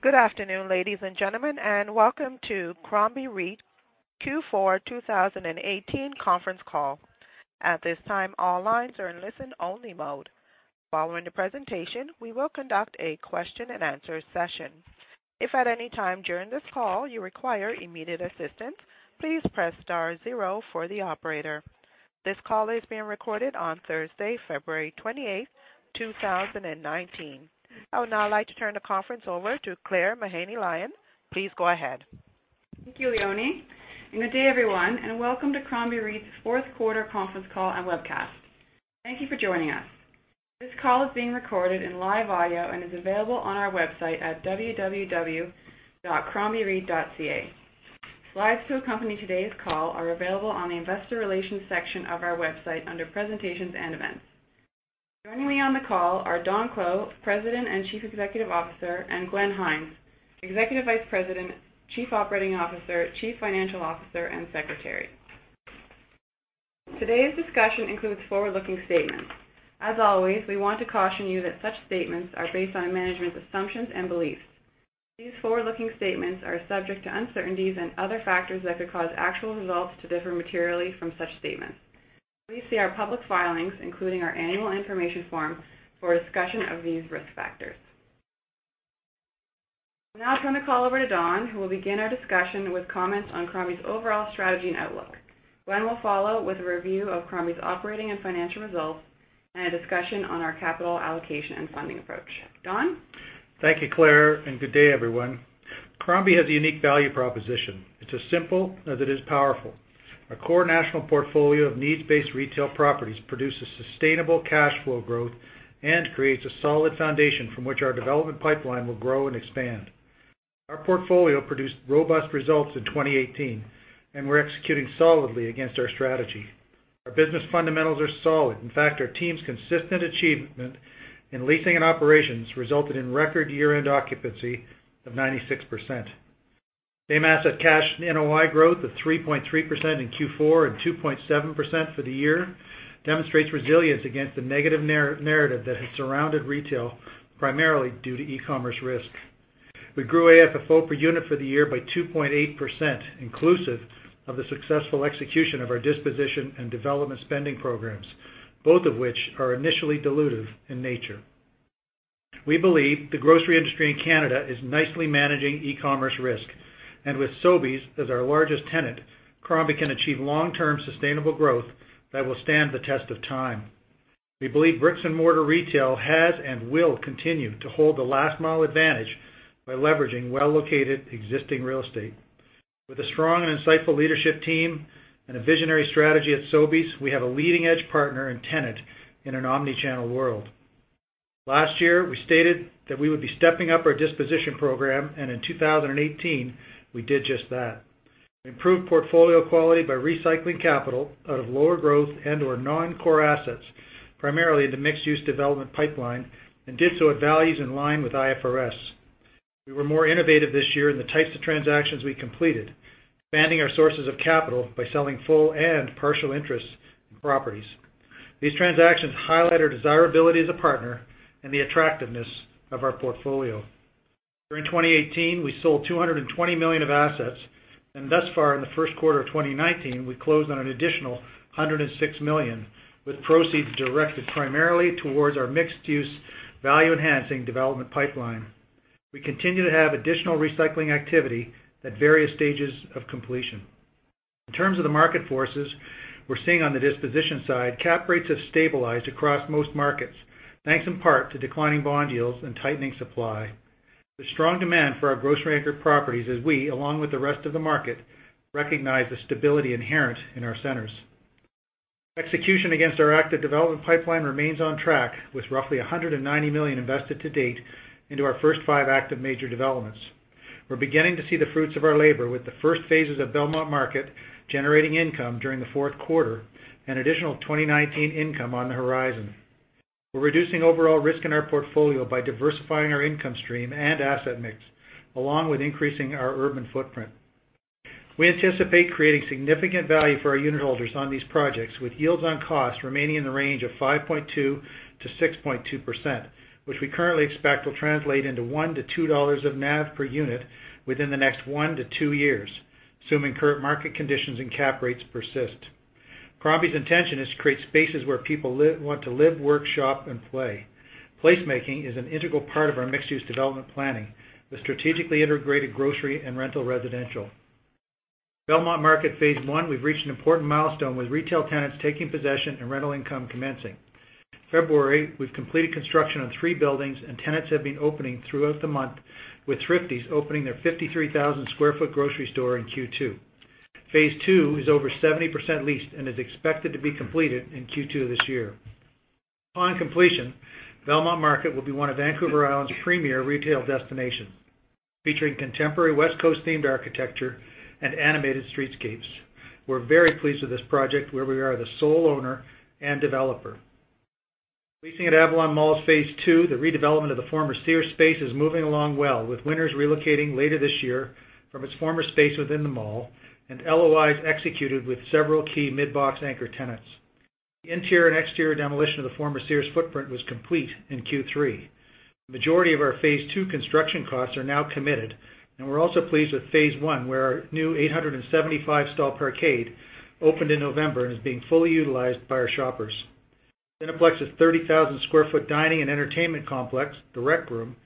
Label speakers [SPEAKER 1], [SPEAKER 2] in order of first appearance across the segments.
[SPEAKER 1] Good afternoon, ladies and gentlemen, and welcome to Crombie REIT Q4 2018 conference call. At this time, all lines are in listen-only mode. Following the presentation, we will conduct a question-and-answer session. If at any time during this call you require immediate assistance, please press star zero for the operator. This call is being recorded on Thursday, February 28, 2019. I would now like to turn the conference over to Claire Mahaney-Lyon. Please go ahead.
[SPEAKER 2] Thank you, Leonie, and good day, everyone, and welcome to Crombie REIT's fourth quarter conference call and webcast. Thank you for joining us. This call is being recorded in live audio and is available on our website at www.crombie.ca. Slides to accompany today's call are available on the investor relations section of our website under presentations and events. Joining me on the call are Don Clow, President and Chief Executive Officer, and Glenn Hynes, Executive Vice President, Chief Operating Officer, Chief Financial Officer, and Secretary. Today's discussion includes forward-looking statements. As always, we want to caution you that such statements are based on management's assumptions and beliefs. These forward-looking statements are subject to uncertainties and other factors that could cause actual results to differ materially from such statements. Please see our public filings, including our annual information form, for a discussion of these risk factors. I'll now turn the call over to Don, who will begin our discussion with comments on Crombie's overall strategy and outlook. Glenn will follow with a review of Crombie's operating and financial results and a discussion on our capital allocation and funding approach. Don?
[SPEAKER 3] Thank you, Claire, and good day everyone. Crombie has a unique value proposition. It's as simple as it is powerful. Our core national portfolio of needs-based retail properties produces sustainable cash flow growth and creates a solid foundation from which our development pipeline will grow and expand. Our portfolio produced robust results in 2018, and we're executing solidly against our strategy. Our business fundamentals are solid. In fact, our team's consistent achievement in leasing and operations resulted in record year-end occupancy of 96%. Same asset cash NOI growth of 3.3% in Q4 and 2.7% for the year demonstrates resilience against the negative narrative that has surrounded retail, primarily due to e-commerce risk. We grew AFFO per unit for the year by 2.8% inclusive of the successful execution of our disposition and development spending programs, both of which are initially dilutive in nature. We believe the grocery industry in Canada is nicely managing e-commerce risk. With Sobeys as our largest tenant, Crombie can achieve long-term sustainable growth that will stand the test of time. We believe bricks and mortar retail has and will continue to hold the last mile advantage by leveraging well-located existing real estate. With a strong and insightful leadership team and a visionary strategy at Sobeys, we have a leading-edge partner and tenant in an omni-channel world. Last year, we stated that we would be stepping up our disposition program, and in 2018, we did just that. Improved portfolio quality by recycling capital out of lower growth and/or non-core assets, primarily in the mixed-use development pipeline, and did so at values in line with IFRS. We were more innovative this year in the types of transactions we completed, expanding our sources of capital by selling full and partial interests in properties. These transactions highlight our desirability as a partner and the attractiveness of our portfolio. During 2018, we sold 220 million of assets, and thus far in the first quarter of 2019, we closed on an additional 106 million, with proceeds directed primarily towards our mixed-use value-enhancing development pipeline. We continue to have additional recycling activity at various stages of completion. In terms of the market forces we're seeing on the disposition side, cap rates have stabilized across most markets, thanks in part to declining bond yields and tightening supply. There's strong demand for our grocery-anchored properties as we, along with the rest of the market, recognize the stability inherent in our centers. Execution against our active development pipeline remains on track with roughly 190 million invested to date into our first 5 active major developments. We're beginning to see the fruits of our labor with the first phases of Belmont Market generating income during the fourth quarter, and additional 2019 income on the horizon. We're reducing overall risk in our portfolio by diversifying our income stream and asset mix, along with increasing our urban footprint. We anticipate creating significant value for our unit holders on these projects, with yields on costs remaining in the range of 5.2%-6.2%, which we currently expect will translate into 1 to 2 dollars of NAV per unit within the next one to two years, assuming current market conditions and cap rates persist. Crombie's intention is to create spaces where people want to live, work, shop, and play. Placemaking is an integral part of our mixed-use development planning with strategically integrated grocery and rental residential. Belmont Market phase one, we've reached an important milestone with retail tenants taking possession and rental income commencing. February, we've completed construction on three buildings, and tenants have been opening throughout the month, with Thrifty's opening their 53,000 sq ft grocery store in Q2. Phase 2 is over 70% leased and is expected to be completed in Q2 this year. Upon completion, Belmont Market will be one of Vancouver Island's premier retail destinations, featuring contemporary West Coast-themed architecture and animated streetscapes. We're very pleased with this project where we are the sole owner and developer. Leasing at Avalon Mall phase two, the redevelopment of the former Sears space, is moving along well, with Winners relocating later this year from its former space within the mall and LOIs executed with several key mid-box anchor tenants. Interior and exterior demolition of the former Sears footprint was complete in Q3. The majority of our phase two construction costs are now committed, and we're also pleased with phase one, where our new 875-stall parkade opened in November and is being fully utilized by our shoppers. Cineplex's 30,000 square foot dining and entertainment complex, The Rec Room,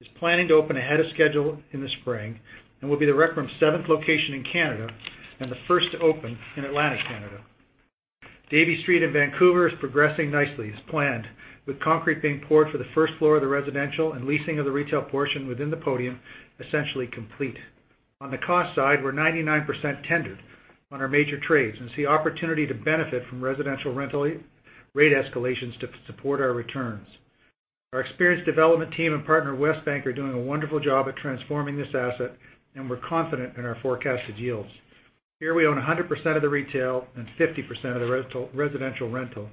[SPEAKER 3] is planning to open ahead of schedule in the spring and will be The Rec Room's seventh location in Canada and the first to open in Atlantic Canada. Davie Street in Vancouver is progressing nicely as planned, with concrete being poured for the first floor of the residential, and leasing of the retail portion within the podium, essentially complete. On the cost side, we're 99% tendered on our major trades and see opportunity to benefit from residential rental rate escalations to support our returns. Our experienced development team and partner Westbank are doing a wonderful job at transforming this asset, and we're confident in our forecasted yields. Here we own 100% of the retail and 50% of the residential rental.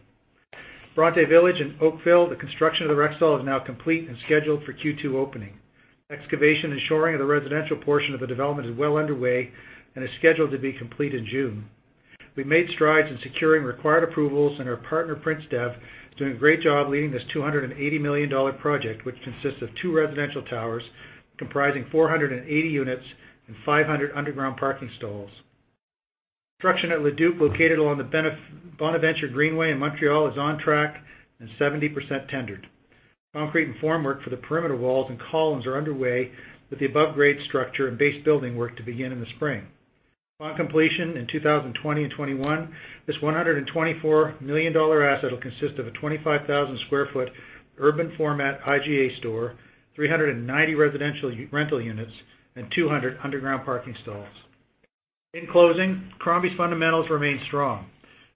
[SPEAKER 3] Bronte Village in Oakville, the construction of the Rexall is now complete and scheduled for Q2 opening. Excavation and shoring of the residential portion of the development is well underway and is scheduled to be complete in June. We've made strides in securing required approvals, and our partner, PrinceDev, is doing a great job leading this 280 million dollar project, which consists of two residential towers comprising 480 units and 500 underground parking stalls. Construction at Le Duke, located along the Bonaventure Greenway in Montreal, is on track and 70% tendered. Concrete and formwork for the perimeter walls and columns are underway, with the above-grade structure and base building work to begin in the spring. Upon completion in 2020 and 2021, this 124 million dollar asset will consist of a 25,000 square foot urban format IGA store, 390 residential rental units, and 200 underground parking stalls. In closing, Crombie's fundamentals remain strong.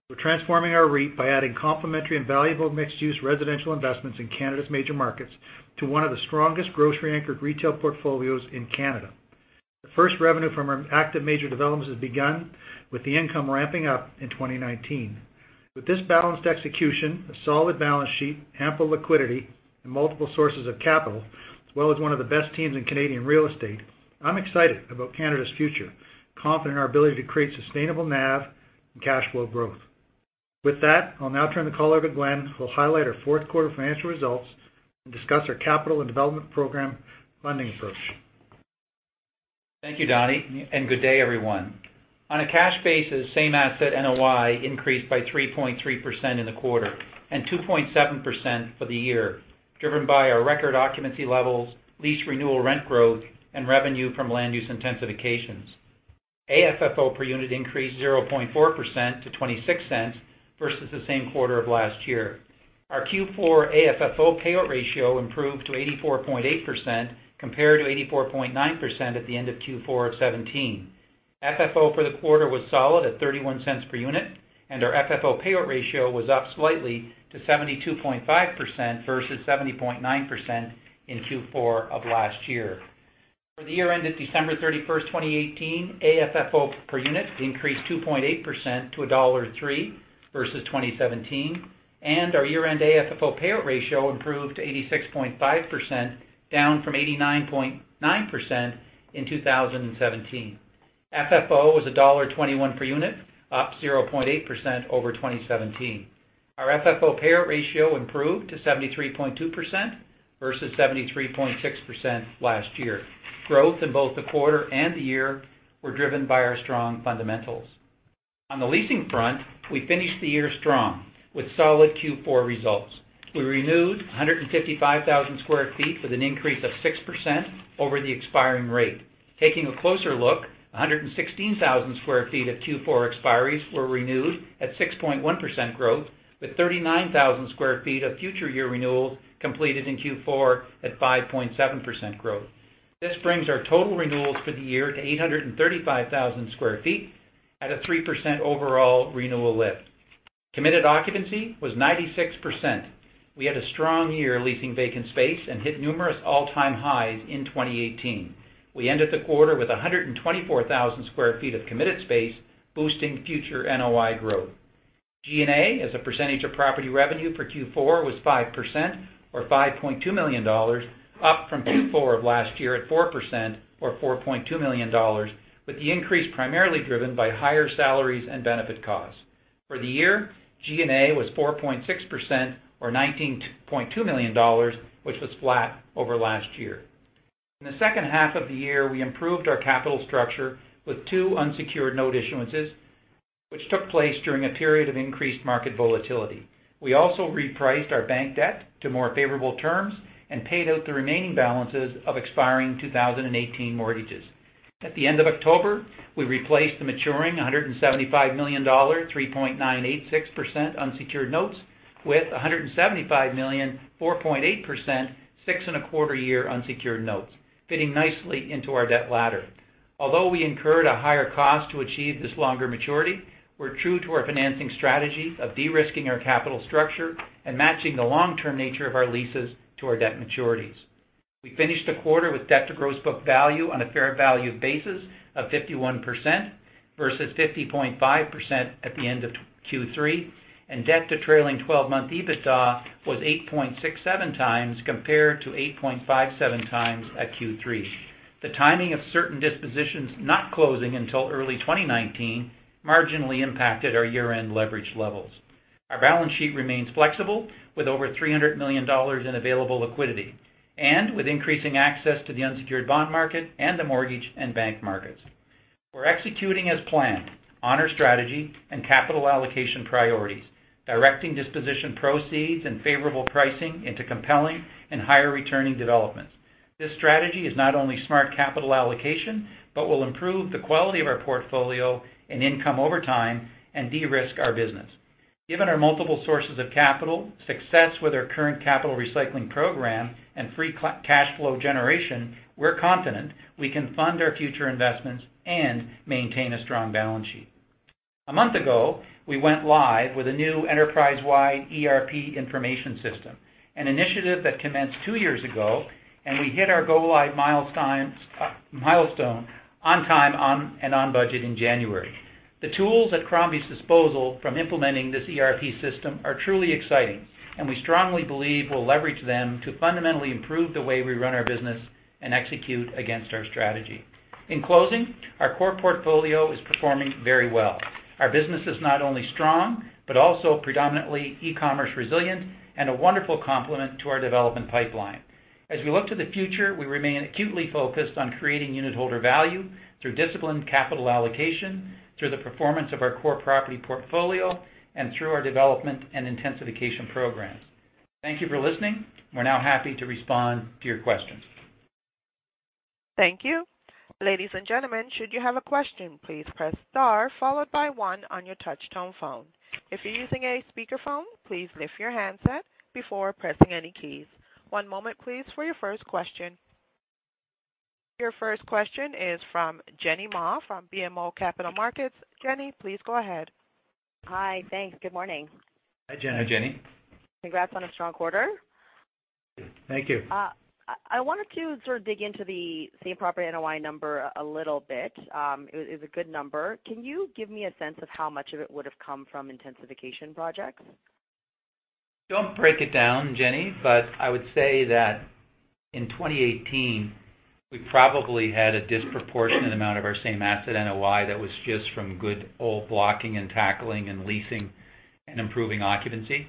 [SPEAKER 3] We're transforming our REIT by adding complementary and valuable mixed-use residential investments in Canada's major markets to one of the strongest grocery-anchored retail portfolios in Canada. The first revenue from our active major developments has begun, with the income ramping up in 2019. With this balanced execution, a solid balance sheet, ample liquidity, and multiple sources of capital, as well as one of the best teams in Canadian real estate, I'm excited about Canada's future, confident in our ability to create sustainable NAV and cash flow growth. With that, I'll now turn the call over to Glenn, who will highlight our fourth quarter financial results and discuss our capital and development program funding approach.
[SPEAKER 4] Thank you, Donnie, and good day, everyone. On a cash basis, same asset NOI increased by 3.3% in the quarter and 2.7% for the year, driven by our record occupancy levels, lease renewal rent growth, and revenue from land use intensifications. AFFO per unit increased 0.4% to 0.26 versus the same quarter of last year. Our Q4 AFFO payout ratio improved to 84.8% compared to 84.9% at the end of Q4 of 2017. FFO for the quarter was solid at 0.31 per unit, and our FFO payout ratio was up slightly to 72.5% versus 70.9% in Q4 of last year. For the year end of December 31st, 2018, AFFO per unit increased 2.8% to dollar 1.03 versus 2017, and our year-end AFFO payout ratio improved to 86.5%, down from 89.9% in 2017. FFO was dollar 1.21 per unit, up 0.8% over 2017. Our FFO payout ratio improved to 73.2% versus 73.6% last year. Growth in both the quarter and the year were driven by our strong fundamentals. On the leasing front, we finished the year strong with solid Q4 results. We renewed 155,000 square feet with an increase of 6% over the expiring rate. Taking a closer look, 116,000 square feet of Q4 expiries were renewed at 6.1% growth, with 39,000 square feet of future year renewals completed in Q4 at 5.7% growth. This brings our total renewals for the year to 835,000 square feet at a 3% overall renewal lift. Committed occupancy was 96%. We had a strong year leasing vacant space and hit numerous all-time highs in 2018. We ended the quarter with 124,000 square feet of committed space, boosting future NOI growth. G&A as a percentage of property revenue for Q4 was 5%, or 5.2 million dollars, up from Q4 of last year at 4%, or 4.2 million dollars, with the increase primarily driven by higher salaries and benefit costs. For the year, G&A was 4.6%, or 19.2 million dollars, which was flat over last year. In the second half of the year, we improved our capital structure with two unsecured note issuances, which took place during a period of increased market volatility. We also repriced our bank debt to more favorable terms and paid out the remaining balances of expiring 2018 mortgages. At the end of October, we replaced the maturing 175 million dollar 3.986% unsecured notes with 175 million 4.8%, six and a quarter year unsecured notes, fitting nicely into our debt ladder. Although we incurred a higher cost to achieve this longer maturity, we're true to our financing strategy of de-risking our capital structure and matching the long-term nature of our leases to our debt maturities. We finished the quarter with debt to gross book value on a fair value basis of 51% versus 50.5% at the end of Q3, and debt to trailing 12-month EBITDA was 8.67 times compared to 8.57 times at Q3. The timing of certain dispositions not closing until early 2019 marginally impacted our year-end leverage levels. Our balance sheet remains flexible with over 300 million dollars in available liquidity, and with increasing access to the unsecured bond market and the mortgage and bank markets. We're executing as planned on our strategy and capital allocation priorities, directing disposition proceeds and favorable pricing into compelling and higher-returning developments. This strategy is not only smart capital allocation, but will improve the quality of our portfolio and income over time and de-risk our business. Given our multiple sources of capital, success with our current capital recycling program, and free cash flow generation, we're confident we can fund our future investments and maintain a strong balance sheet. A month ago, we went live with a new enterprise-wide ERP information system, an initiative that commenced two years ago, and we hit our go-live milestone on time and on budget in January. The tools at Crombie's disposal from implementing this ERP system are truly exciting, and we strongly believe we'll leverage them to fundamentally improve the way we run our business and execute against our strategy. In closing, our core portfolio is performing very well. Our business is not only strong, but also predominantly e-commerce resilient and a wonderful complement to our development pipeline. As we look to the future, we remain acutely focused on creating unitholder value through disciplined capital allocation, through the performance of our core property portfolio, and through our development and intensification programs. Thank you for listening. We're now happy to respond to your questions.
[SPEAKER 1] Thank you. Ladies and gentlemen, should you have a question, please press star followed by one on your touch-tone phone. If you're using a speakerphone, please lift your handset before pressing any keys. One moment, please, for your first question. Your first question is from Jenny Ma from BMO Capital Markets. Jenny, please go ahead.
[SPEAKER 5] Hi. Thanks. Good morning.
[SPEAKER 3] Hi, Jenny.
[SPEAKER 4] Hi, Jenny.
[SPEAKER 5] Congrats on a strong quarter.
[SPEAKER 4] Thank you.
[SPEAKER 5] I wanted to sort of dig into the same-property NOI number a little bit. It was a good number. Can you give me a sense of how much of it would've come from intensification projects?
[SPEAKER 4] Don't break it down, Jenny, I would say that in 2018, we probably had a disproportionate amount of our same-asset NOI that was just from good old blocking and tackling and leasing and improving occupancy.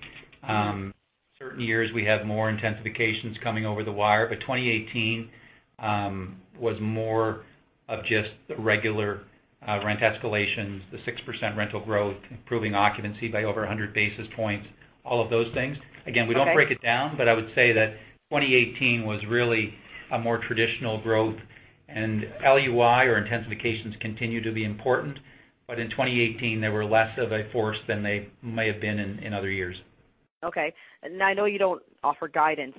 [SPEAKER 4] Certain years, we have more intensifications coming over the wire. 2018 was more of just the regular rent escalations, the 6% rental growth, improving occupancy by over 100 basis points, all of those things.
[SPEAKER 5] Okay
[SPEAKER 4] We don't break it down, I would say that 2018 was really a more traditional growth. LUI or intensifications continue to be important. In 2018, they were less of a force than they may have been in other years.
[SPEAKER 5] Okay. I know you don't offer guidance,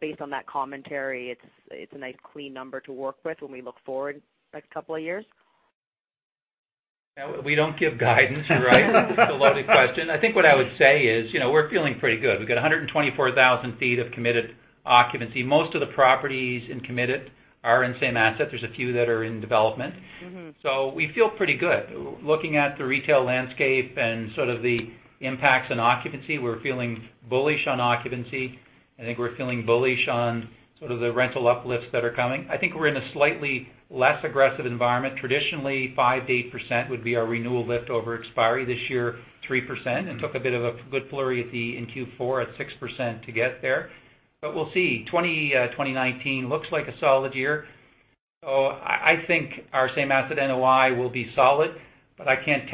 [SPEAKER 5] based on that commentary, it's a nice clean number to work with when we look forward next couple of years?
[SPEAKER 4] Yeah. We don't give guidance. Right? It's a loaded question. I think what I would say is, we're feeling pretty good. We've got 124,000 feet of committed occupancy. Most of the properties in committed are in same asset. There's a few that are in development. We feel pretty good. Looking at the retail landscape and sort of the impacts on occupancy, we're feeling bullish on occupancy. I think we're feeling bullish on sort of the rental uplifts that are coming. I think we're in a slightly less aggressive environment. Traditionally, 5%-8% would be our renewal lift over expiry. This year, 3%, and took a bit of a good flurry in Q4 at 6% to get there. We'll see. 2019 looks like a solid year. I think our same-asset NOI will be solid, but I don't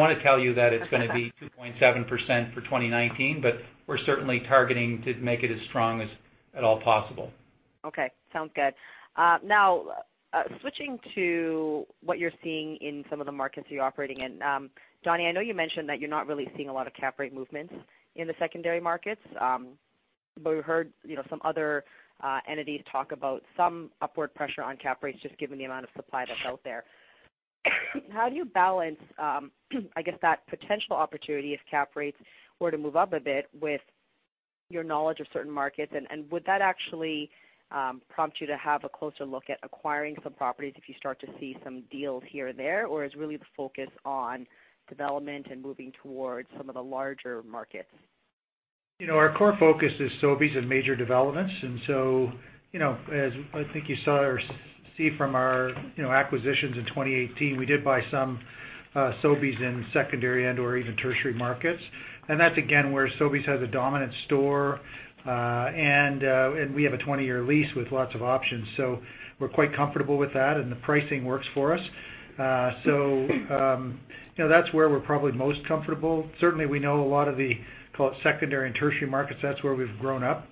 [SPEAKER 4] wanna tell you that it's gonna be 2.7% for 2019. We're certainly targeting to make it as strong as at all possible.
[SPEAKER 5] Okay. Sounds good. Switching to what you're seeing in some of the markets you're operating in. Don, I know you mentioned that you're not really seeing a lot of cap rate movements in the secondary markets. We heard some other entities talk about some upward pressure on cap rates, just given the amount of supply that's out there. How do you balance, I guess, that potential opportunity if cap rates were to move up a bit with your knowledge of certain markets? Would that actually prompt you to have a closer look at acquiring some properties if you start to see some deals here and there? Is really the focus on development and moving towards some of the larger markets?
[SPEAKER 3] Our core focus is Sobeys and major developments. As I think you see from our acquisitions in 2018, we did buy some Sobeys in secondary and/or even tertiary markets. That's again, where Sobeys has a dominant store, and we have a 20-year lease with lots of options. We're quite comfortable with that, and the pricing works for us. That's where we're probably most comfortable. Certainly, we know a lot of the, call it secondary and tertiary markets. That's where we've grown up.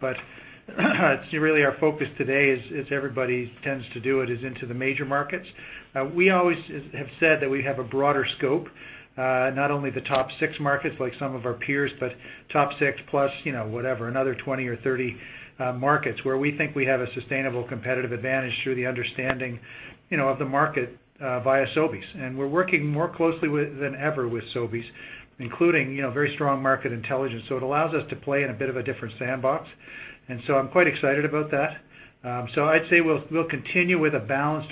[SPEAKER 3] Really our focus today is everybody tends to do it, is into the major markets. We always have said that we have a broader scope, not only the top six markets like some of our peers, but top six plus whatever, another 20 or 30 markets where we think we have a sustainable competitive advantage through the understanding of the market via Sobeys. We're working more closely than ever with Sobeys, including very strong market intelligence. It allows us to play in a bit of a different sandbox, I'm quite excited about that. I'd say we'll continue with a balanced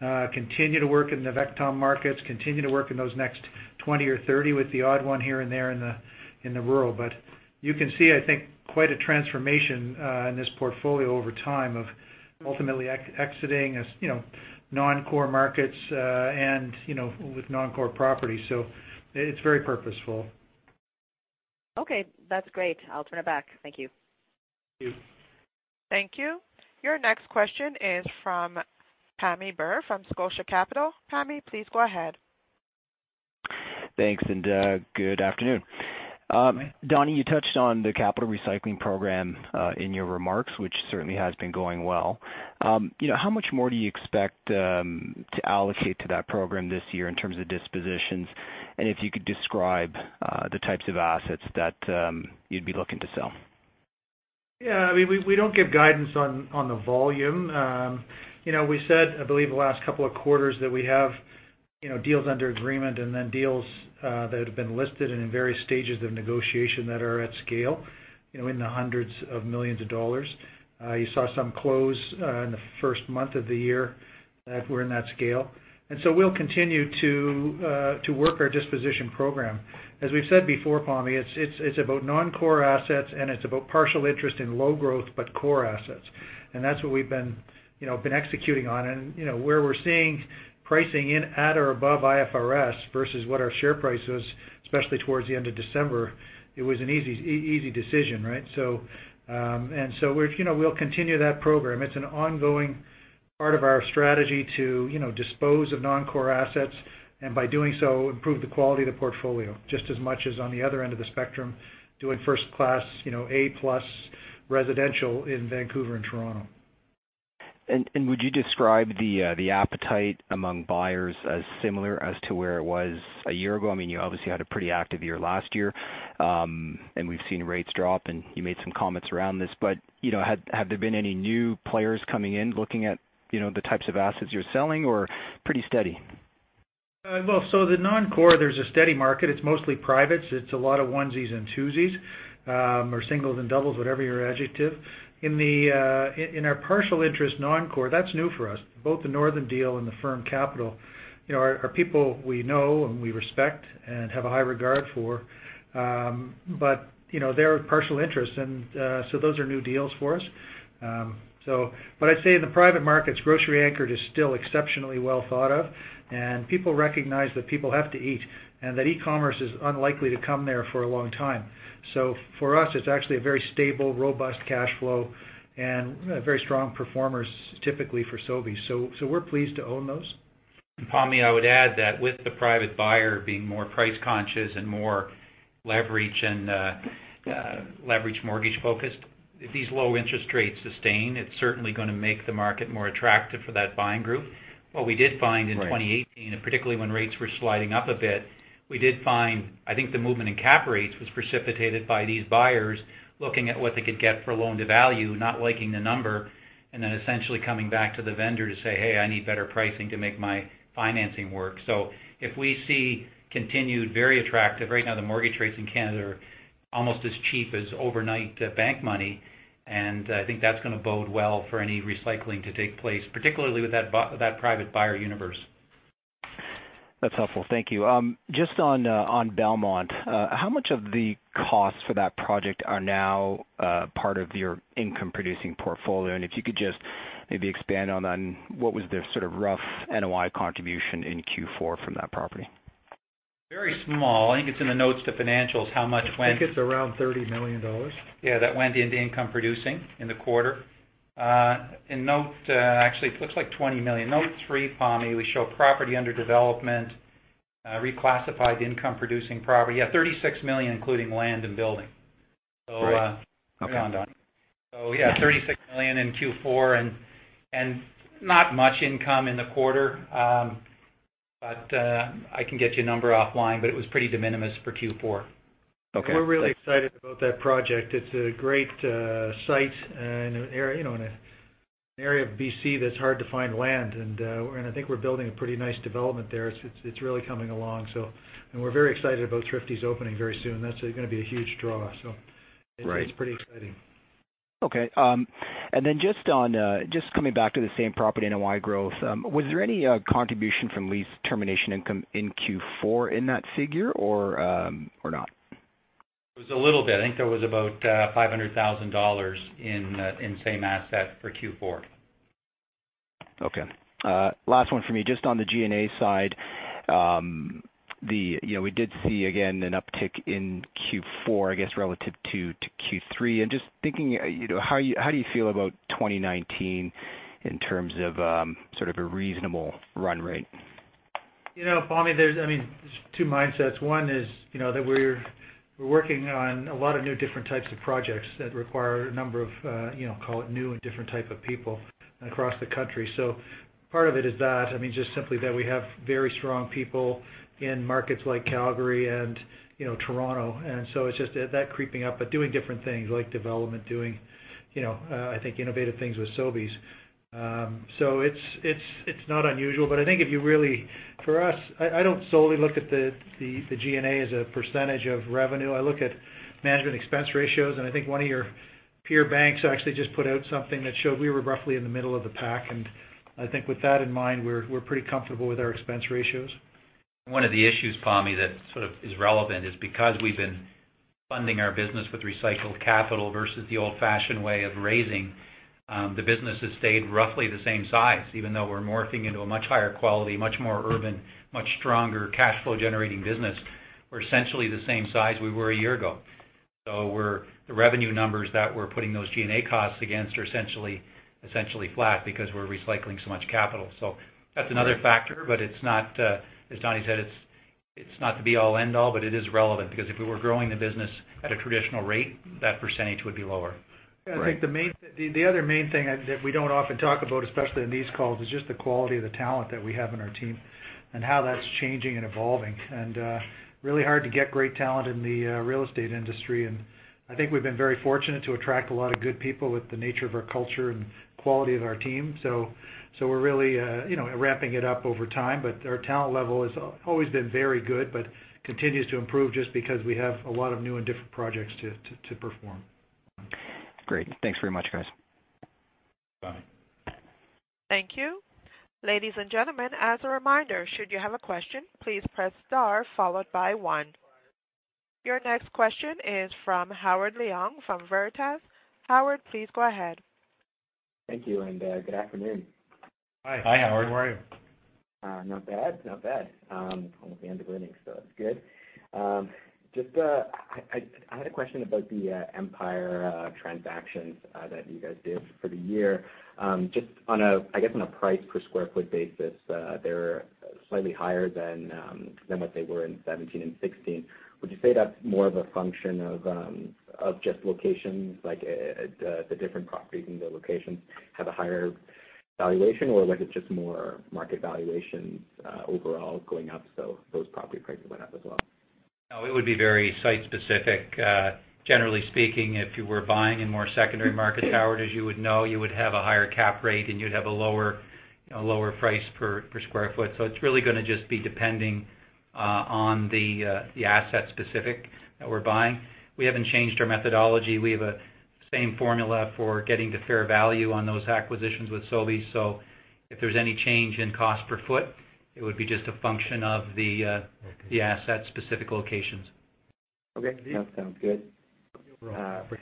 [SPEAKER 3] approach, continue to work in the major markets, continue to work in those next 20 or 30 with the odd one here and there in the rural. You can see, I think, quite a transformation in this portfolio over time of ultimately exiting non-core markets, and with non-core properties. It's very purposeful.
[SPEAKER 5] Okay, that's great. I'll turn it back. Thank you.
[SPEAKER 3] Thank you.
[SPEAKER 1] Thank you. Your next question is from Pammi Bir from Scotia Capital. Pammi, please go ahead.
[SPEAKER 6] Thanks. Good afternoon. Donnie, you touched on the capital recycling program in your remarks, which certainly has been going well. How much more do you expect to allocate to that program this year in terms of dispositions? If you could describe the types of assets that you'd be looking to sell.
[SPEAKER 3] Yeah. We don't give guidance on the volume. We said, I believe the last couple of quarters, that we have deals under agreement and then deals that have been listed and in various stages of negotiation that are at scale, in the hundreds of millions of CAD. You saw some close in the first month of the year that were in that scale. So we'll continue to work our disposition program. As we've said before, Pammi, it's about non-core assets, and it's about partial interest in low growth, but core assets. That's what we've been executing on. Where we're seeing pricing in at or above IFRS versus what our share price was, especially towards the end of December, it was an easy decision, right? We'll continue that program. It's an ongoing part of our strategy to dispose of non-core assets, and by doing so, improve the quality of the portfolio, just as much as on the other end of the spectrum, doing first-class, A-plus residential in Vancouver and Toronto.
[SPEAKER 6] Would you describe the appetite among buyers as similar as to where it was a year ago? You obviously had a pretty active year last year. We've seen rates drop, and you made some comments around this, have there been any new players coming in looking at the types of assets you're selling, or pretty steady?
[SPEAKER 3] The non-core, there's a steady market. It's mostly privates. It's a lot of onesies and twosies, or singles and doubles, whatever your adjective. In our partial interest non-core, that's new for us. Both the Northern deal and the Firm Capital are people we know and we respect and have a high regard for. They're partial interests, those are new deals for us. I'd say in the private markets, grocery-anchored is still exceptionally well thought of, and people recognize that people have to eat, and that e-commerce is unlikely to come there for a long time. For us, it's actually a very stable, robust cash flow, and very strong performers typically for Sobeys. We're pleased to own those.
[SPEAKER 4] Pammi, I would add that with the private buyer being more price-conscious and more leverage mortgage-focused, if these low interest rates sustain, it's certainly going to make the market more attractive for that buying group. What we did find in 2018-
[SPEAKER 3] Right
[SPEAKER 4] Particularly when rates were sliding up a bit, we did find, I think the movement in cap rates was precipitated by these buyers looking at what they could get for loan-to-value, not liking the number, and then essentially coming back to the vendor to say, "Hey, I need better pricing to make my financing work." If we see continued, Right now, the mortgage rates in Canada are almost as cheap as overnight bank money, I think that's going to bode well for any recycling to take place, particularly with that private buyer universe.
[SPEAKER 6] That's helpful. Thank you. Just on Belmont, how much of the costs for that project are now part of your income-producing portfolio? If you could just maybe expand on what was the sort of rough NOI contribution in Q4 from that property.
[SPEAKER 4] Very small. I think it's in the notes to financials how much went.
[SPEAKER 3] I think it's around 30 million dollars.
[SPEAKER 4] Yeah, that went into income producing in the quarter. Actually, it looks like 20 million. Note 3, Pammi, we show property under development, reclassified income-producing property. Yeah, 36 million, including land and building.
[SPEAKER 6] Right. Okay.
[SPEAKER 4] Yeah, 36 million in Q4, and not much income in the quarter. I can get you a number offline, but it was pretty de minimis for Q4.
[SPEAKER 6] Okay.
[SPEAKER 3] We're really excited about that project. It's a great site in an area of B.C. that's hard to find land, and I think we're building a pretty nice development there. It's really coming along. We're very excited about Thrifty's opening very soon. That's going to be a huge draw.
[SPEAKER 6] Right.
[SPEAKER 3] It's pretty exciting.
[SPEAKER 6] Okay. Just coming back to the same property NOI growth. Was there any contribution from lease termination income in Q4 in that figure or not?
[SPEAKER 4] It was a little bit. I think there was about 500,000 dollars in same asset for Q4.
[SPEAKER 6] Okay. Last one from me. Just on the G&A side. We did see, again, an uptick in Q4, I guess, relative to Q3. Just thinking, how do you feel about 2019 in terms of sort of a reasonable run rate?
[SPEAKER 3] Pammi, there's two mindsets. One is that we're working on a lot of new different types of projects that require a number of, call it new and different type of people across the country. Part of it is that. Just simply that we have very strong people in markets like Calgary and Toronto. It's just that creeping up. Doing different things like development, doing I think innovative things with Sobeys. It's not unusual, but I think for us, I don't solely look at the G&A as a percentage of revenue. I look at management expense ratios, and I think one of your peer banks actually just put out something that showed we were roughly in the middle of the pack, and I think with that in mind, we're pretty comfortable with our expense ratios.
[SPEAKER 4] One of the issues, Pammi, that sort of is relevant is because we've been funding our business with recycled capital versus the old-fashioned way of raising. The business has stayed roughly the same size, even though we're morphing into a much higher quality, much more urban, much stronger cash flow-generating business. We're essentially the same size we were a year ago. The revenue numbers that we're putting those G&A costs against are essentially flat because we're recycling so much capital. That's another factor, but as Don said, it's not the be-all end-all, but it is relevant because if we were growing the business at a traditional rate, that percentage would be lower.
[SPEAKER 6] Right.
[SPEAKER 3] I think the other main thing that we don't often talk about, especially on these calls, is just the quality of the talent that we have on our team and how that's changing and evolving. Really hard to get great talent in the real estate industry, and I think we've been very fortunate to attract a lot of good people with the nature of our culture and quality of our team. We're really ramping it up over time. Our talent level has always been very good, but continues to improve just because we have a lot of new and different projects to perform.
[SPEAKER 6] Great. Thanks very much, guys.
[SPEAKER 3] Bye.
[SPEAKER 1] Thank you. Ladies and gentlemen, as a reminder, should you have a question, please press star followed by one. Your next question is from Howard Leung from Veritas. Howard, please go ahead.
[SPEAKER 7] Thank you. Good afternoon.
[SPEAKER 3] Hi.
[SPEAKER 4] Hi, Howard. How are you?
[SPEAKER 7] Not bad. Almost the end of earnings. That's good. I had a question about the Empire transactions that you guys did for the year. Just on a, I guess, on a price per square foot basis, they're slightly higher than what they were in 2017 and 2016. Would you say that's more of a function of just locations, like, the different properties and the locations have a higher valuation, or like it's just more market valuations overall going up, so those property prices went up as well?
[SPEAKER 4] It would be very site specific. Generally speaking, if you were buying in more secondary market, Howard, as you would know, you would have a higher cap rate, and you'd have a lower price per square foot. It's really going to just be depending on the asset specific that we're buying. We haven't changed our methodology. We have a same formula for getting the fair value on those acquisitions with Sobeys. If there's any change in cost per foot, it would be just a function of the-
[SPEAKER 7] Okay
[SPEAKER 4] the asset-specific locations.
[SPEAKER 7] Okay. That sounds good.
[SPEAKER 3] No problem.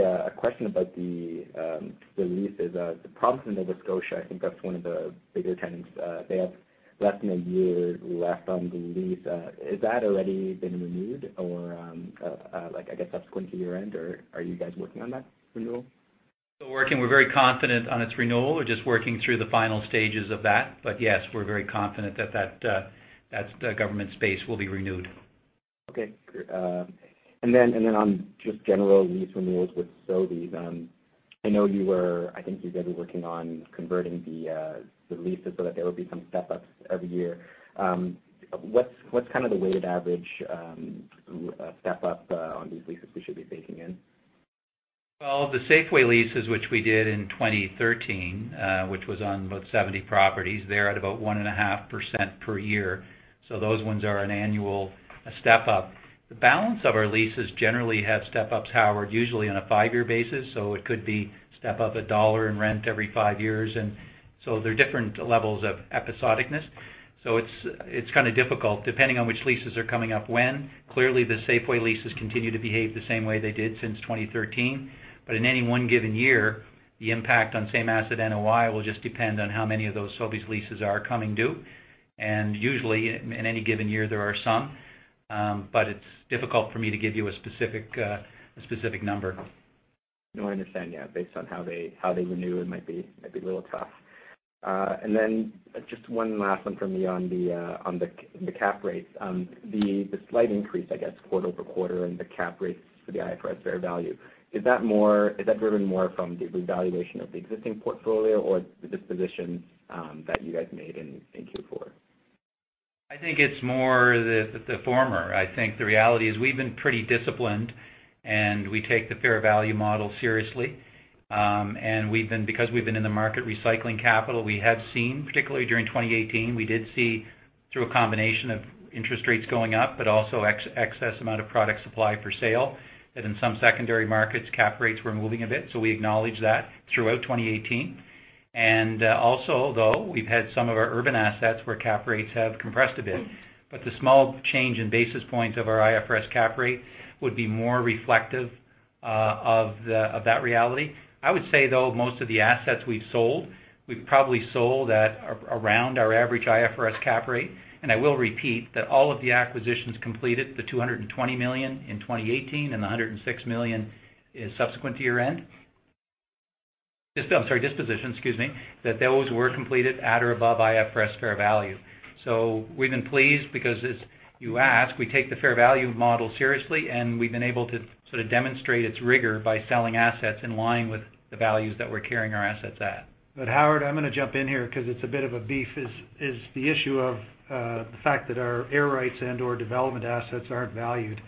[SPEAKER 7] A question about the leases. The Province of Nova Scotia, I think that is one of the bigger tenants. They have less than a year left on the lease. Has that already been renewed or, I guess, subsequent to year-end, or are you guys working on that renewal?
[SPEAKER 4] Still working. We are very confident on its renewal. We are just working through the final stages of that. Yes, we are very confident that the government space will be renewed.
[SPEAKER 7] On just general lease renewals with Sobeys. I think you guys were working on converting the leases so that there will be some step-ups every year. What's kind of the weighted average step-up on these leases we should be baking in?
[SPEAKER 4] Well, the Safeway leases, which we did in 2013, which was on about 70 properties, they're at about 1.5% per year. Those ones are an annual step-up. The balance of our leases generally have step-ups, Howard, usually on a five-year basis, so it could be step up CAD 1 in rent every five years. They're different levels of episodic-ness. It's kind of difficult, depending on which leases are coming up when. Clearly, the Safeway leases continue to behave the same way they did since 2013. In any one given year, the impact on same asset NOI will just depend on how many of those Sobeys leases are coming due. Usually, in any given year, there are some. It's difficult for me to give you a specific number.
[SPEAKER 7] No, I understand. Yeah. Based on how they renew, it might be a little tough. Just one last one from me on the cap rates. The slight increase, I guess, quarter-over-quarter in the cap rates for the IFRS fair value, is that driven more from the revaluation of the existing portfolio or the dispositions that you guys made in Q4?
[SPEAKER 4] I think it's more the former. I think the reality is we've been pretty disciplined, and we take the fair value model seriously. Because we've been in the market recycling capital, we have seen, particularly during 2018, we did see through a combination of interest rates going up, also excess amount of product supply for sale, that in some secondary markets, cap rates were moving a bit. We acknowledge that throughout 2018. Also, though, we've had some of our urban assets where cap rates have compressed a bit. The small change in basis points of our IFRS cap rate would be more reflective of that reality. I would say, though, most of the assets we've sold, we've probably sold at around our average IFRS cap rate. I will repeat that all of the acquisitions completed, the 220 million in 2018 and the 106 million in subsequent to year-end. I'm sorry, dispositions, excuse me. Those were completed at or above IFRS fair value. We've been pleased because as you asked, we take the fair value model seriously, and we've been able to sort of demonstrate its rigor by selling assets in line with the values that we're carrying our assets at.
[SPEAKER 3] Howard, I'm going to jump in here because it's a bit of a beef, is the issue of the fact that our air rights and/or development assets aren't valued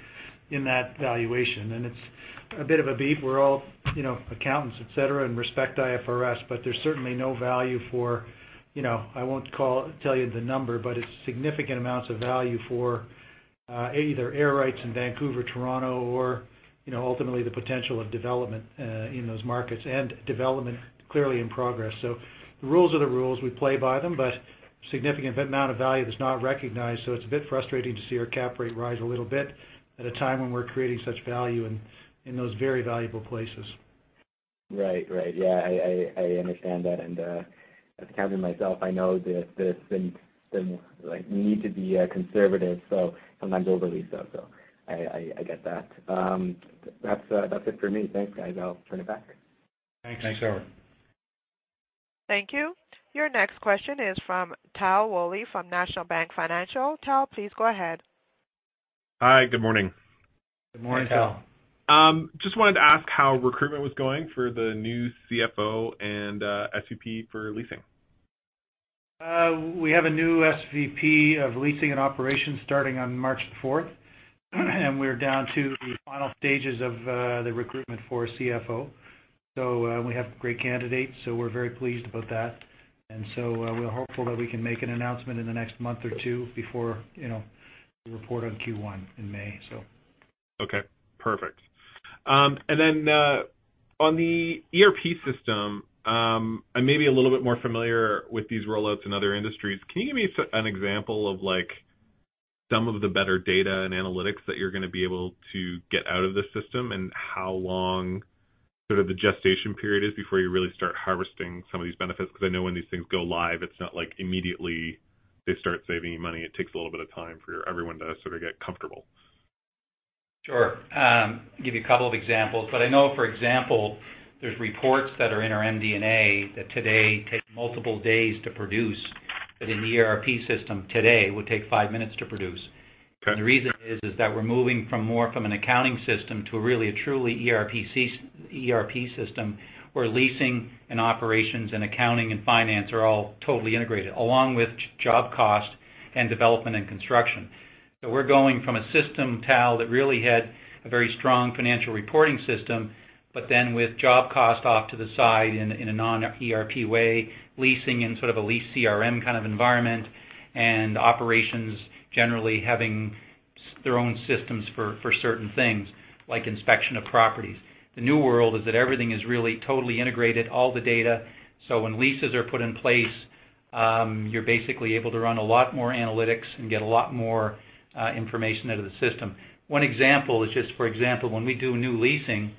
[SPEAKER 3] in that valuation. It's a bit of a beef. We're all accountants, et cetera, and respect IFRS, but there's certainly no value for, I won't tell you the number, but it's significant amounts of value for A, either air rights in Vancouver, Toronto, or ultimately the potential of development in those markets and development clearly in progress. The rules are the rules. We play by them, but significant amount of value that's not recognized, it's a bit frustrating to see our cap rate rise a little bit at a time when we're creating such value in those very valuable places.
[SPEAKER 7] Right. Yeah, I understand that. As an accountant myself, I know that we need to be conservative, sometimes overly so. I get that. That's it for me. Thanks, guys. I'll turn it back.
[SPEAKER 4] Thanks.
[SPEAKER 3] Thanks, Howard.
[SPEAKER 1] Thank you. Your next question is from Tal Woolley from National Bank Financial. Tal, please go ahead.
[SPEAKER 8] Hi. Good morning.
[SPEAKER 4] Good morning, Tal.
[SPEAKER 8] Just wanted to ask how recruitment was going for the new CFO and SVP for leasing.
[SPEAKER 4] We have a new SVP of leasing and operations starting on March 4th, we're down to the final stages of the recruitment for CFO. We have great candidates, so we're very pleased about that. We're hopeful that we can make an announcement in the next month or two before we report on Q1 in May.
[SPEAKER 8] Okay, perfect. On the ERP system, I may be a little bit more familiar with these rollouts in other industries. Can you give me an example of some of the better data and analytics that you're going to be able to get out of this system, and how long sort of the gestation period is before you really start harvesting some of these benefits? I know when these things go live, it's not like immediately they start saving you money. It takes a little bit of time for everyone to sort of get comfortable.
[SPEAKER 4] Sure. I'll give you a couple of examples. I know, for example, there's reports that are in our MD&A that today take multiple days to produce, but in the ERP system today would take five minutes to produce.
[SPEAKER 8] Okay.
[SPEAKER 4] The reason is that we're moving more from an accounting system to really a truly ERP system where leasing and operations and accounting and finance are all totally integrated, along with job cost and development and construction. We're going from a system, Tal, that really had a very strong financial reporting system, but then with job cost off to the side in a non-ERP way, leasing in sort of a lease CRM kind of environment, and operations generally having their own systems for certain things like inspection of properties. The new world is that everything is really totally integrated, all the data. When leases are put in place, you're basically able to run a lot more analytics and get a lot more information out of the system. One example is, for example, when we do new leasing,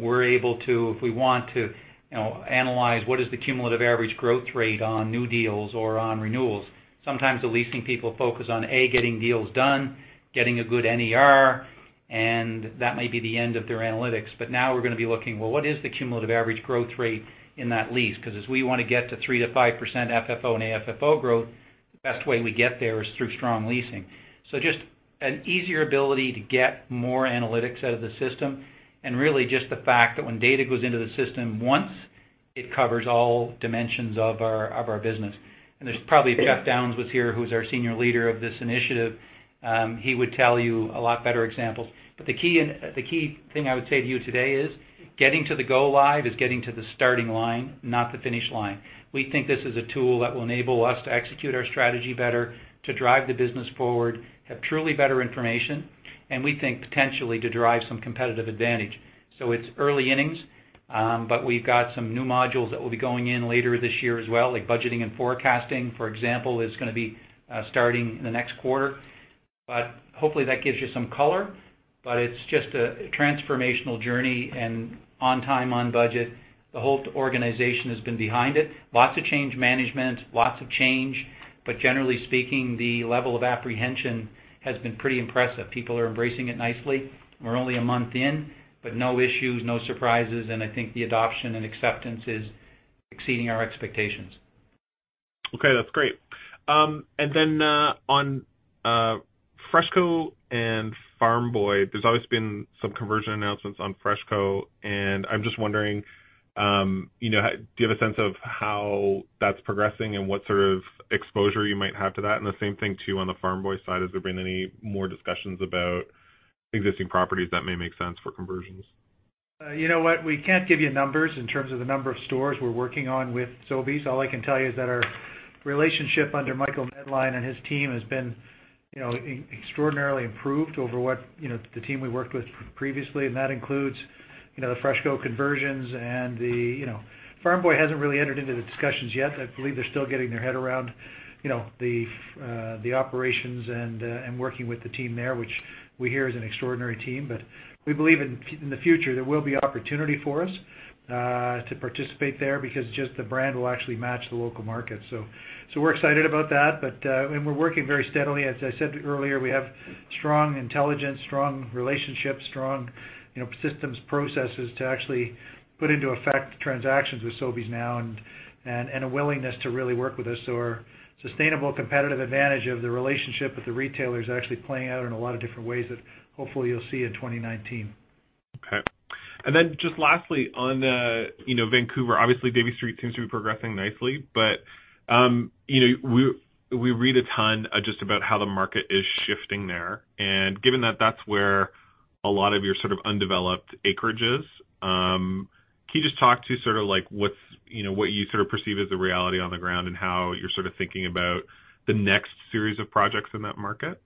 [SPEAKER 4] we're able to, if we want to, analyze what is the cumulative average growth rate on new deals or on renewals. Sometimes the leasing people focus on getting deals done, getting a good NER, and that may be the end of their analytics. Now we're going to be looking, well, what is the cumulative average growth rate in that lease? Because as we want to get to 3%-5% FFO and AFFO growth, the best way we get there is through strong leasing. Just an easier ability to get more analytics out of the system, and really just the fact that when data goes into the system once, it covers all dimensions of our business. If probably Jeff Downs was here, who's our senior leader of this initiative, he would tell you a lot better examples. The key thing I would say to you today is getting to the go live is getting to the starting line, not the finish line. We think this is a tool that will enable us to execute our strategy better, to drive the business forward, have truly better information, and we think potentially to derive some competitive advantage. It's early innings, but we've got some new modules that will be going in later this year as well, like budgeting and forecasting. For example, is going to be starting in the next quarter. Hopefully that gives you some color. It's just a transformational journey, and on time, on budget. The whole organization has been behind it. Lots of change management, lots of change, but generally speaking, the level of apprehension has been pretty impressive. People are embracing it nicely. We're only a month in, but no issues, no surprises, and I think the adoption and acceptance is exceeding our expectations.
[SPEAKER 8] Okay, that's great. Then, on FreshCo and Farm Boy, there's always been some conversion announcements on FreshCo, and I'm just wondering, do you have a sense of how that's progressing and what sort of exposure you might have to that? The same thing too on the Farm Boy side. Has there been any more discussions about existing properties that may make sense for conversions?
[SPEAKER 4] You know what? We can't give you numbers in terms of the number of stores we're working on with Sobeys. All I can tell you is that our relationship under Michael Medline and his team has been extraordinarily improved over the team we worked with previously, and that includes the FreshCo conversions. Farm Boy hasn't really entered into the discussions yet. I believe they're still getting their head around the operations and working with the team there, which we hear is an extraordinary team. We believe in the future, there will be opportunity for us to participate there because just the brand will actually match the local market. We're excited about that, and we're working very steadily. As I said earlier, we have strong intelligence, strong relationships, strong systems, processes to actually put into effect transactions with Sobeys now and a willingness to really work with us. Our sustainable competitive advantage of the relationship with the retailer is actually playing out in a lot of different ways that hopefully you'll see in 2019.
[SPEAKER 8] Okay. Just lastly on Vancouver. Obviously, Davie Street seems to be progressing nicely, we read a ton just about how the market is shifting there. Given that that's where a lot of your sort of undeveloped acreage is, can you just talk to sort of what you sort of perceive as the reality on the ground and how you're sort of thinking about the next series of projects in that market?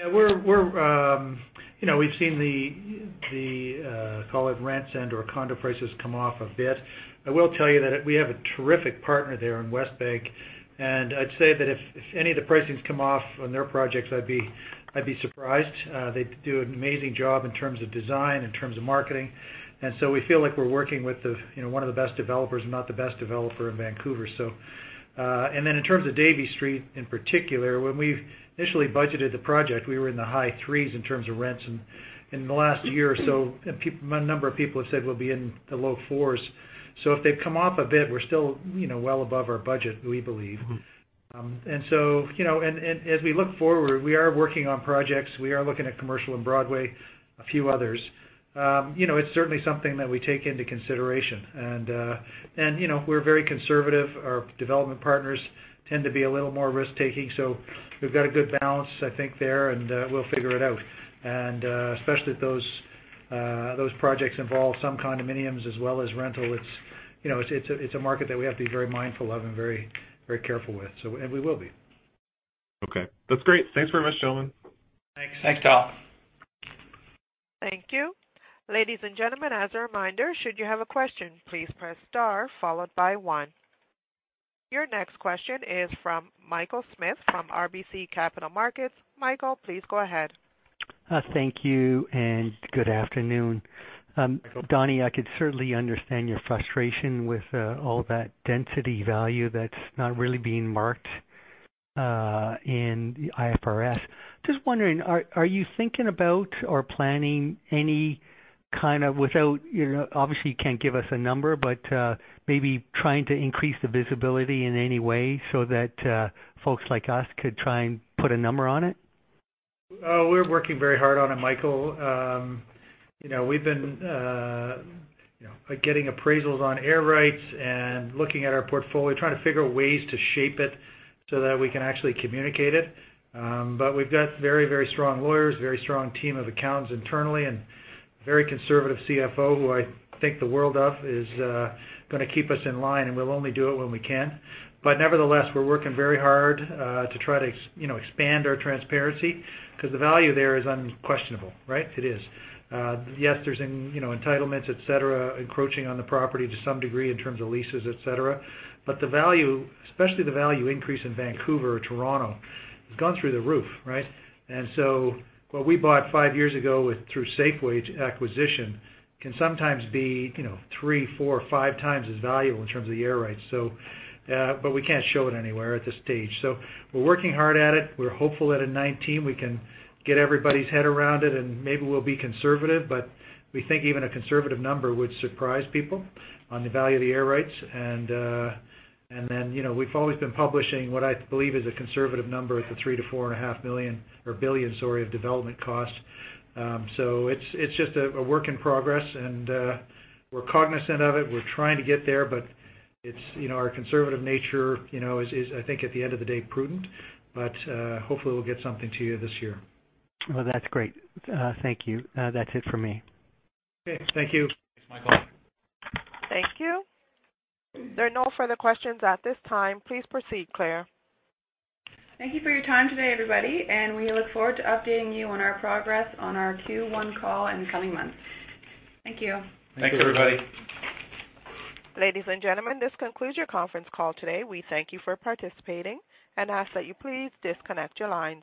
[SPEAKER 4] Yeah. We've seen the, call it rents and or condo prices come off a bit. I will tell you that we have a terrific partner there in Westbank, I'd say that if any of the pricings come off on their projects, I'd be surprised. They do an amazing job in terms of design, in terms of marketing, we feel like we're working with one of the best developers, if not the best developer in Vancouver.
[SPEAKER 3] In terms of Davie Street in particular, when we initially budgeted the project, we were in the high threes in terms of rents. In the last year or so, a number of people have said we'll be in the low fours. If they've come off a bit, we're still well above our budget, we believe. As we look forward, we are working on projects. We are looking at Commercial and Broadway, a few others. It's certainly something that we take into consideration. We're very conservative. Our development partners tend to be a little more risk-taking, so we've got a good balance, I think, there, and we'll figure it out. Especially if those projects involve some condominiums as well as rental, it's a market that we have to be very mindful of and very careful with. We will be.
[SPEAKER 8] Okay. That's great. Thanks very much, gentlemen.
[SPEAKER 3] Thanks.
[SPEAKER 4] Thanks, Tal.
[SPEAKER 1] Thank you. Ladies and gentlemen, as a reminder, should you have a question, please press star followed by one. Your next question is from Michael Smith from RBC Capital Markets. Michael, please go ahead.
[SPEAKER 9] Thank you. Good afternoon.
[SPEAKER 3] Michael.
[SPEAKER 9] Donnie, I could certainly understand your frustration with all that density value that's not really being marked in IFRS. Just wondering, are you thinking about or planning any kind of, obviously you can't give us a number, but maybe trying to increase the visibility in any way so that folks like us could try and put a number on it?
[SPEAKER 3] We're working very hard on it, Michael. We've been getting appraisals on air rights and looking at our portfolio, trying to figure out ways to shape it so that we can actually communicate it. We've got very strong lawyers, very strong team of accountants internally, and very conservative CFO, who I think the world of, is going to keep us in line, and we'll only do it when we can. Nevertheless, we're working very hard to try to expand our transparency because the value there is unquestionable, right? It is. Yes, there's entitlements, et cetera, encroaching on the property to some degree in terms of leases, et cetera, but the value, especially the value increase in Vancouver or Toronto, has gone through the roof, right? What we bought five years ago through Safeway's acquisition can sometimes be three, four, or five times as valuable in terms of the air rights. We can't show it anywhere at this stage. We're working hard at it. We're hopeful that in 2019 we can get everybody's head around it, and maybe we'll be conservative, but we think even a conservative number would surprise people on the value of the air rights. We've always been publishing what I believe is a conservative number at the 3 billion to 4.5 billion of development costs. It's just a work in progress, and we're cognizant of it. We're trying to get there, but our conservative nature is, I think at the end of the day, prudent. Hopefully we'll get something to you this year.
[SPEAKER 9] Well, that's great. Thank you. That's it from me.
[SPEAKER 3] Okay. Thank you.
[SPEAKER 4] Thanks, Michael.
[SPEAKER 1] Thank you. There are no further questions at this time. Please proceed, Claire.
[SPEAKER 2] Thank you for your time today, everybody, and we look forward to updating you on our progress on our Q1 call in the coming months. Thank you.
[SPEAKER 3] Thank you.
[SPEAKER 4] Thanks, everybody.
[SPEAKER 1] Ladies and gentlemen, this concludes your conference call today. We thank you for participating and ask that you please disconnect your lines.